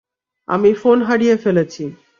আমি ফোন হারিয়ে ফেলেছি।